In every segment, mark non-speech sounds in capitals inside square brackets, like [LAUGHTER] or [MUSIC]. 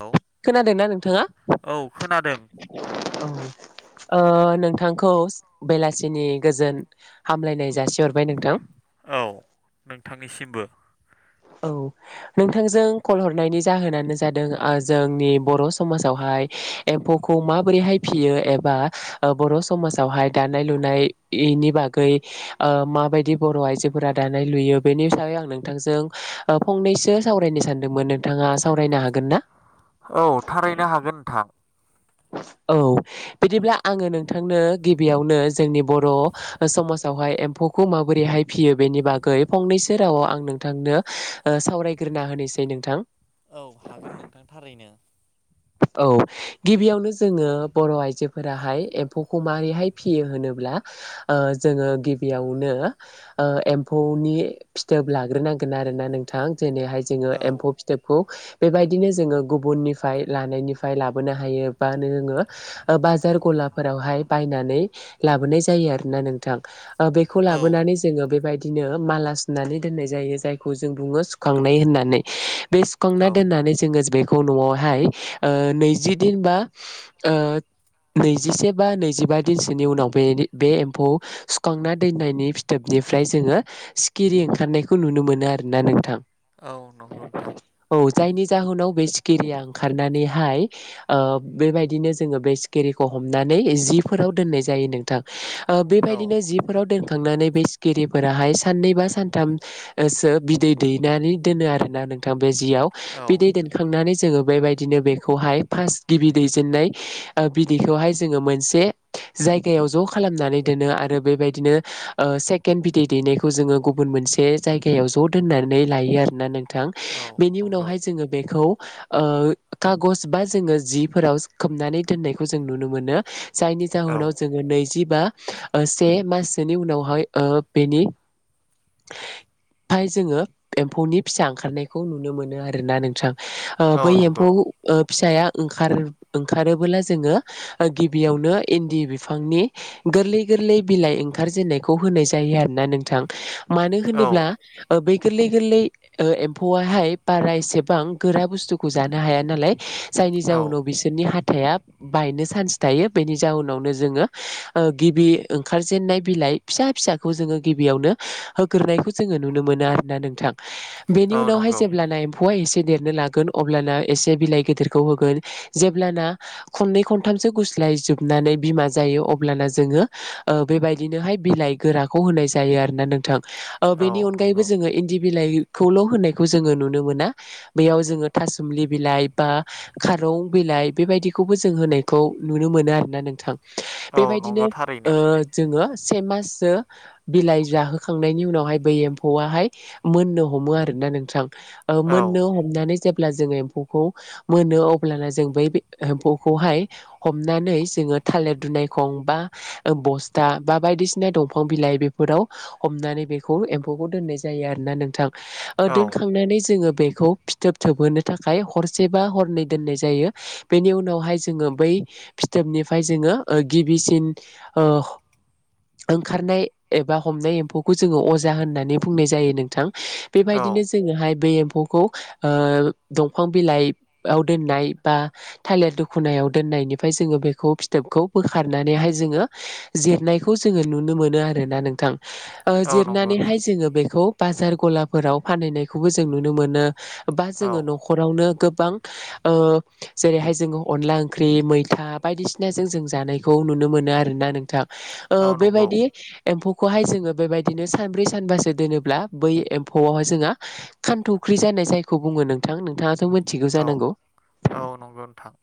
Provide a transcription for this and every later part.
औ खोनादोंना नोंथाङा औ खोनादों औ। नोंथांखौ बेलासिनि गोजोन हामलायनाय जासिहरबाय नोंथां। औ नोंथांनिसिमबो। औ नोंथांजों कल हरनायनि जाहोनानो जादों जोंनि बर' समाजावहाय। एम्फौखौ माबोरैहाय फिसियो एबा बर' समाजावहाय दानाय लुनाय बेनि बागै माबायदि बर' आइजोफोरा दानाय लुयो बेनि हिसाबै आं नोंथांजों फंनैसो सावरायनो सानदोंमोन। नोंथाङा सावरायनो हागोनना। औ थारैनो हागोन नोंथां [INAUDIBLE] औ बिदिब्ला आङो नोंथांनो गिबियावनो जोंनि बर' समाजावहाय एम्फौ। एम्फौखौ माबोरैहाय फियो बेनि बागै फंनैसो रावाव आं नोंथांनो सावरायग्रोना होनोसै नोंथां। औ हागोन नोंथां थारैनो। औ। गिबियावनो जोङो बर' आइजोफोराहाय एम्फौखौ माबारैहाय फियो होनोब्ला जोङो गिबियावनो एम्फौनि फिथोब लाग्रोनांगोन आरोना नोंथां। जेरैहाय जोङो औ एम्फौ फिथोबखौ बेबायदिनो जोङो गुबुननिफ्राय लानायनिफ्राय लाबोनो हायो। हायोबा नोङो बाजार गलाफोरावहाय बायनानै लाबोनाय जायो आरोना नों नोंथां बेखौ औ लाबोनानै जोङो बेबायदि। बिदिनो माला सुनानै दोननाय जायो जायखौ जों बुङो सुखांनाय होननानै बे सुखांना औ दोननानै जोङो बेखौ न'आवहाय नैजि दिनबा। नैजिसे बा नैजिबा दिनसोनि उनाव बे एम्फौ सुखांना दोननायनि फिथोबनि निफ्राय जोङो सिखिरि ओंखारनायखौ नुनो मोनो आरोना नोंथां। औ नंगौ नोंथां। औ जायनि जाहोनाव बे सिखिरिया ओंखारनानैहाय। बेबायदिनो जोङो बे सिकिरिखौ हमनानै जिफोराव दोननाय जायो नोंथां। औ बेबायदिनो जिफोराव दोन खांनानै बे सिखिरिफोराहाय साननै बा सानथामसो बिदै दैनानै दोनो आरोना नोंथां। बे जियाव औ बिदैै दोनखांनानै जोङो बेबायदिनो बेखौहाय फार्स्ट गिबि दैजेननाय बिदैखौहाय जोङो मोनसे जायगायाव ज' खालामनानै दोनो आरो बेबायदिनो ओ सेकेणड बिदै दैनायखौ जोङो गुबुन मोनसे जायगायाव ज' दोननानै लायो आरोना नों नोंथां औ बिनि नंगौ उनावहाय जोङो बिखौ खागस बा जोङो जिफोराव खोबनानै दोननायखौ जों नुनो मोनो जायनि औ जाहोनाव जोङो नैजि बा से माससोनि उनावहाय ओ बेनि ओमफाय जोङो एम्फौनि फिसा ओंखारनायखौ नुनो मोनो आरोना नोंथां। ओ औ बै एम्फौ नंगौ ओ फिसाया ओंखारो ओंखारबोला जोङो ओ गिबियावनो इन्दि गोरलै बिलाइ ओंखार जेनायखौ होनाय जायो आरोना नोंथां मानो औ होनोब्ला ओ बै गोरलै गोरलै ओ एम्फौआहाय बारा एसेबां गोरा बुस्थुखौ जानो हाया नालाय जायनि औ जाउनाव बिसोरनि हा थाइआ बायनो चान्स थायो बेनि जउनावनो जोङो ओ गिबि ओंखार जेनाय बिलाइ आइ फिसा फिसाखौ जोङो गिबियावनो होग्रोनायखौ जोङो नुनो मोनो आरोना नोंथां। बेनि औ उनावहाय नंगौ जेब्लाना एम्फौआ एसे देरनो लागोन अब्लाना एसे बिलाइ गिदिर खौ होगोन जेब्लाना खननै खनथामसो गुस्लाय जोबनानै बिमा जायो अब्ला जों ङो ओ बेबायदिनोहाय बिलाइ गोराखौ होनाय जायो आरोना नोंथां। ओ औ बेनि अनगायैबो नंगौ जोङो इन्दि बिलाइखौल' होननायखौ जोङो नुनो मोना बेयाव जोङो थासुमलि बिलाइ बा खारौ बिलाइ बेबायदिखौबो जों औ बेबायदिनो नंगौ ओ थारैनो जोङो से माससो बिलाइ जाहोखांनायनि उनावहाय बै एम्फौआहाय मोननो हमो आरोना नोंथां। ओ औ मोननो हमनानै जेब्ला जोङो एम्फौखौ मोनो अब्लाना जों बै एम्फौखौहाय हमनानै जोङो थालिर दुनायखौं बा ओ बस्था बा बायदिसिना दंफां बिलाइ बेफोराव हमनानै बेखौ एम्फौखौ दोननाय जायो जायो आरो ना नोंथां औ ओ बा हरनै दोनाय जायो बेनि उनावहाय जोङो बै फिथोबनिफ्राय जोङो ओ गिबि सिन ओ ओंखारनाय एबा हमनाय एम्फौखौ जोङो अजा होननानै बुंनाय जायो नोंथां। औ बेबायदिनो जोङोहाय बे एम्फौखौ ओ दंफां बिलाइ आव दोननाय बा थालिर दुखुनायाव दोननायनिफ्राय जोङो बेखौ फिथोबखौ बोखारनानैहाय जोङो जिरनायखौ जोङो नुनो मोनो आरोना नोंथां। ओ औ नंगौ जिरनानैहाय नोंथां जोङो बेखौ बाजार गलाफोराव फानहैनायखौबो जों नुनो मोनो बा औ जोङो न'खरावनो गोबां ओ जेरैहाय जोङो अनला ओंख्रि मैथा बायदिसिनाजों जों जानायखौ नुनो मोनो आरोना नोंथां ओ औ नंगौ बेबायदि एम्फौखौहाय जोङो बेबायदिनो सानब्रै सानबासो दोनोब्ला बै एम्फौआवहाय जोंङो खान्थु' ख्रि जानाय जायखौ बुङो नोंथां नोंथाङाथ' मिथिगौ औ जानांगौ? औ नंगौ नोंथां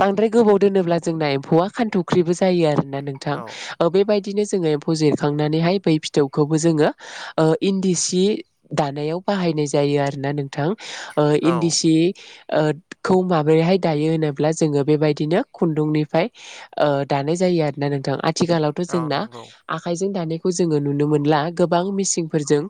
बांद्राय गोबाव दोनोब्ला जोंना एम्फौआ खानथुख्रिबो जायो आरो ना नोंथां औ ओ बेबाय बिदिनो जोङो एम्फौ जिरखांनानैहाय बै फिथौखौबो जोङो ओ इन्दि सि दानायाव बाहायनाय जायो आरो ना नोंथां ओ औ इन्दि सि ओ खौ माबोरैहाय दायो होनोब्ला जोङो बेबायदिनो खुन्दुंनिफ्राय ओ दानो नाय जायो आरोना नोंथां आथिखालाव थ' औ जोंना नंगौ आखायजों दानो खौ जोङो नुनो मोनला गोबां मिसिंफोरजों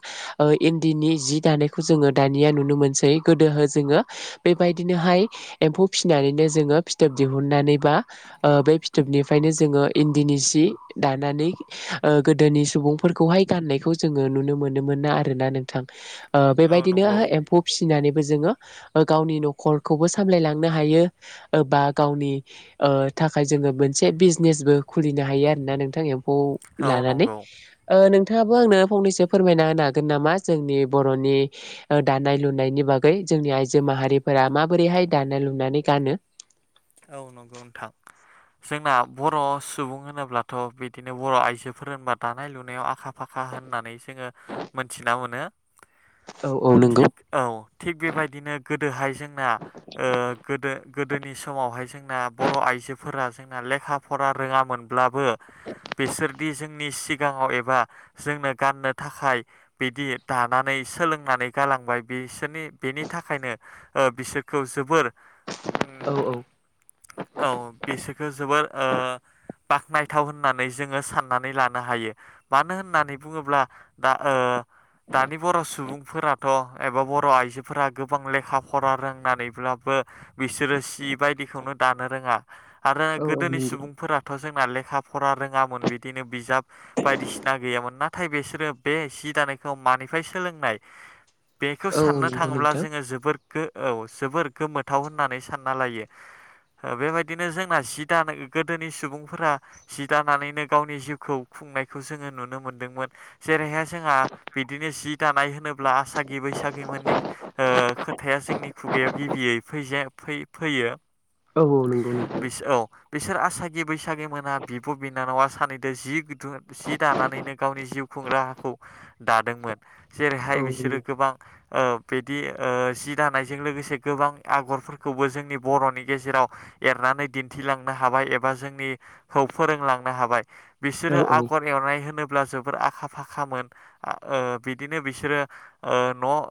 मोनैसै गोदो हो जोङो बेबायदिनोहाय एम्फौ फिसिनानैनो जोङो फिथोब दिहुननानै बा ओ बे फिथोबनिफ्रायनो जोङो इन्दिनि सि दानानै ओ गोदोनि सुबुंफोरखौहाय गाननायखौ जोङो नु नुनो मोनोमोना आरो ना नोंथां ओ औ बेबायदिनो नंगौ एम्फौ फिनानै बो जोंङो ओ गावनि न'खरखौबो सामलायलांनो हायो ओ बा गावनि ओ थाखाय जोङो मोनसे बिजेनेस बो खुलिनो हायो आरोना नोंथांनि एम्फौ औ लानानै नंगौ ओ नों नोंथाङाबो आंनो फंनैसो फोरमायना होनो हागोन नामा जोंनि बर'नि ओ दानाय लुनायनि बागै जोंनि आइ जो माहारिफोरा माबोरैहाय दानाय लुनानै गानो? औ नंगौ नोंथां। जोंना बर' सुबुं होनोब्लाथ' बिदिनो बर' आइजोफोर होनोबा दानाय लुनायाव आखा फाखा खा होननानै जोङो मोनथिना मोनो। औ। औ नंगौ। थिग औ थिग बेबायदिनो गोदोहाय जोंना ओ गोदो गोदोनि समावहाय जोंना बर' आइजोफोरा जोंना लेखा फरा रोङामोनब्ला ओ बिसोरदि जोंनि सि गाङाव एबा जोंनो गाननो थाखाय बिदि दानानै सोलोंनानै गालांबाय बि बिसोरनि बेनि थाखायनो ओ बिसोरखौ जोबोर ओम औ औ औ बिसोरखो जोबोर ओ बाख्नायथाव होननानै जोङो साननानै लानो हायो मानो होननानै बुङोब्ला दा ओ दानि बर' सुबुंफोराथ' एबा बर' आइजोफोरा गोबां लेखा फरा रोंनानैब्लाबो बिसोरो सि बायदिखौनो दानो रोङा आरो औ औ गोदोनि नंगौ सुबुंफोरा' थ' जोंना लेखा फरा रोङामोन बिदिनो बिजाब बायदिसिना गैयामोन नाथाय बिसोरो बे जि दानायखौ मानिफ्राय सोलोंनाय बेखौ औ औ साननो नंगौ थाङोब्ला नोंथां जोङो जोबोर गो औ जोबोर गोमोथाव होननानै सान ना लायो। ओ बेबायदिनो जोंना जि दानो गोदोनि सुबुंफोरा जि दानानैनो गावनि जिउखौ बुंंनायखौ जोङो नुनो मोनदोंमोन जेरैहाय जोंहा बिदिनो जि दानाय होनोब्ला आसागि बैसा सागि मोननि ओ खोथाया जोंनि खुगायाव गिबियै फेजे फै फैयो फैयो। औ औ नोंगौ नोंथां। बिस औ बिसोर आसागि बैसागि मोना बिब' बिनानावा सानैदो जिु गुदुं जि दानानैनो गावनि जिउ खुंग्रा हाखौ दादोंमोन औ जेरैहाय बिसोरो नंगौ गोबां ओ बिदि ओ जि जि दानायजों लोगोसे गोबां आग'रफोरखौबो जोंनि बर'नि गेजेराव एरनानै दिन्थिलांनो हाबाय एबा जोंनिखौ फोरोंलांनो हाबाय औ बिसोरो आग खर एरनाय होनोब्ला जोबोर आखा फाखामोन आ ओ बिदिनो बिसोरो ओ न'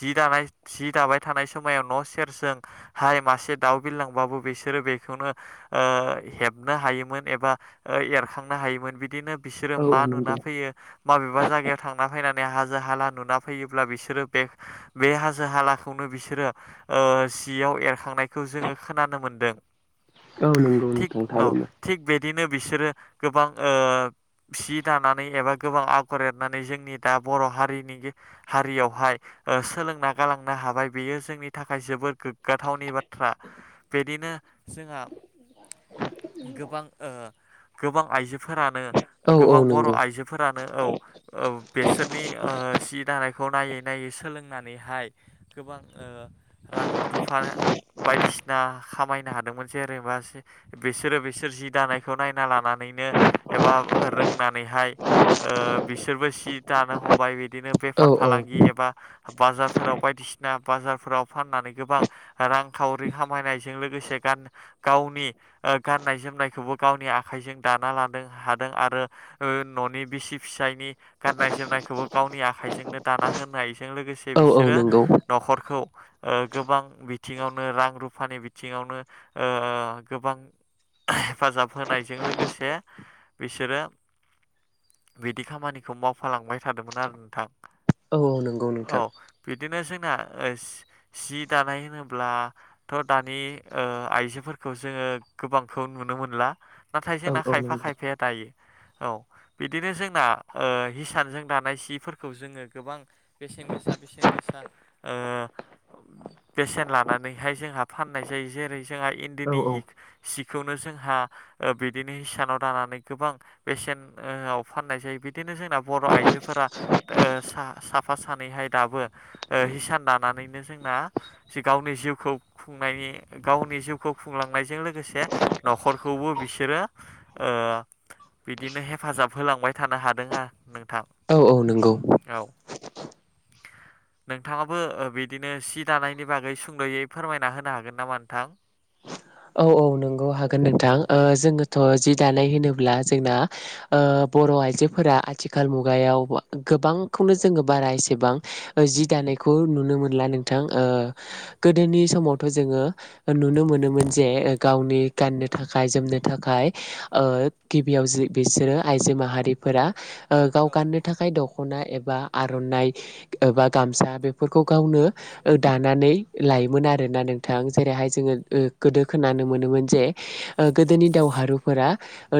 जि दानाय जि दाबाय थानाय समायाव न' सेरजों हाय मासे दाउ बिलांबाबो बिसोरो बेखौनो ओ हेबनो हायोमोन एबा ओ एरखांनो हा हायोमोन बिदिनो बिसोरो मा औ औ नुना नंगौ फैयो माबेबा जायगाव थांना फैनानै हाजो हाला नुना फैयोब्ला बिसोरो बे बे हाजो हालाखौनो बिसोरो ओ जियाव एरखांनायखौ जोङो खोनानो मोनदों। औ नंगौ थिग नोंथां औ थारैनो थिग बेदिनो बिसोरो गोबां ओ सि दानानै एबा गोबां आगर एरनानै जोंनि दा बर' हारिनि गे हारियावहाय ओ सोलोंना गालांनो हाबाय बेयो जोंनि थाखाय जोबोद गोग्गाथावनि बा थ्रा बिदिनो जोंहा गोबां ओ गोबां आइजोफोरानो औ औ गोबां बर' नंगौ आइजोफोरा औ औ बेसोरनि ओ सि दानायखौ नायै नायै सोलोंनानैहाय गोबां ओ रां रुफा बायदिसिना खामायनो हादोंमोन जेरेबा बिसोरो बिसोर जि दानायखौ नायना लानानै नो एबा रोंनानैहाय ओ बिसोरबो सि दानो हमबाय बिदिनो बे फार औ औ फालांगि एबा बाजारफोराव बायदिसिना बाजारफोराव फाननानै गोबां रां खावरि खामायनायजों लोगोसे गान गावनि ओ गाननाय जोमनायखौबो गावनि आखाइजों दा ना लानो हादों आरो ओ न'नि बिसि फिसायनि गाननाय जोमनायखौबो गावनि आखायजों नो दाना होनायजों लोगोसे औ औ बिसोरो नंगौ न'खरखौ ओ गोबां बिथिंयाव नो रां रुफानि बिथिङावनो ओ गोबां हेफाजाब होनायजों लोगोसे बिसोरो बिदि खामानिखौ मावफालांबाय थादोंमोन आरो नोंथां औ औ नंगौ औ नोंथां बिदिनो जोंना सि दानाय होनोब्ला थ'दानि ओह आइजोफोरखौ जोङो गोबांखौ नुनो मोनला नाथाय औ जोंना औ खाय खायफा नंगौ खायफाया दायो। औ बिदिनो जोंना ओह हिसानजों दानाय सिफोरखौ जोङो गोबां बेसेन गोस बेसेन गोसा ओह बेसेन लाना यैहाय जोंहा फाननाय जायो जेरै जोंहा औ इन्दिनि हि सिखौनो जोंहा ओ बिदिनो हिसानाव दानानै गोबां बेसेन ओयाव फाननाय जायो बिदिनो जोंना बर' आइजोफोरा द ओह सा-साफा सानैहाय दाबो ओह हिसान दानानैनो जोंना जि गावनि जिउ खौ खुंनायनि गावनि जिउखौ खुंलांनायजों लोगोसे न'खरखौबो बिसोरो ओ बिदिनो हेफाजाब होलांबाय थानो हादों आरो नोंथां। औ औ नंगौ। औ नोंथाङाबो बिदिनो सि दानायनि बागै सुंद'यै फोरमायना होनो हागोन नामा नोंथां? औ नंगौ औ हागोन नोंथां औ ओ जोङो थ' जि दानाय होनोब्ला जोंना ओ बर' आइजोफोरा आथिखाल मुगायाव गोबांखौनो जोङो बारा एसेबां जि दानायखौ नुनो मोनला नोंथां ओ गो गोदोनि समावथ' जोङो नुनो मोनोमोन जे गावनि गाननो थाखाय जोमनो थाखाय ओ गिबियाव बिसोरो आइजो माहारिफोरा ओ गाव गाननो थाखाय दख'ना एबा आर'नाइ एबा गामसा बेफोरखौ गावनो दानानै लायोमोन आरो। दा नोंथां जेरैहाय जोङो गोदो खोनानो मोनोमोन जे गोदोनि दावहारुफोरा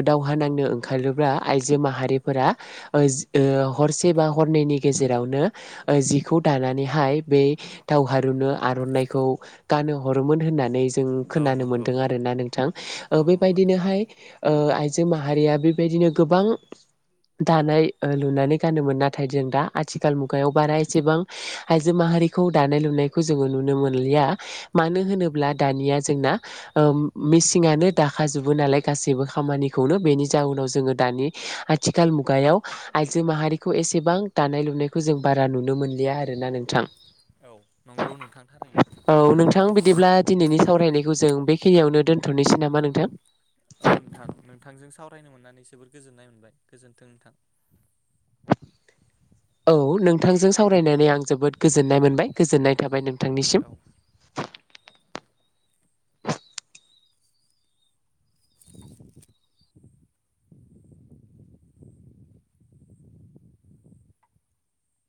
दावहा नांनो ओंखारोब्ला आइजो माहारिफोरा ओ हरसे बा हरनैनि गेजेरावनो जिखौ दानानैहाय बे दाव हारुनो आर'नाइखौ गानहो हरोमोन होननानै जों औ खोनानो नंगौ मोन्दों आरोना नोंथां औ ओ नंगौ नोंथां बेबायदिनोहाय ओ आइजो माहारिया बेबायदिनो गोबां दानाय लुनानै गानोमोन नाथाय जों दा आथिखाल मुगायाव बारा एसेबां आइजो माहा रिखौ दानाय लुनायखौ जोङो नुनो मोनलिया मानो होनोब्ला दानिया जोंना ओ मेसि नानो दाखाजोबो नालाय गासैबो खामानिखौनो बेनि जाउनाव जोङो दानि आथिखाल मुगायाव आइजो माहारिखौ एसेबां दानाय लुनायखौ जों बारा नुनो मोनलिया आरोना नोंथां। औ नंगौ नोंथां। औ नोंथां बिदिब्ला दिनैनि सावरायनायखौ जों बेखिनियावनो दोन थनोसै नामा नोंथां। औ नोंथां नोंथांजों सावरायनो मोननानै जोबोर गोजोननाय मोनबाय गोजोनथों नोंथां। [INAUDIBLE] औ नोंथांजों सावरायनानै आं जोबोद गोजोननाय मोनबाय गोजोननाय थाबाय नोंथांनिसिम। [INAUDIBLE]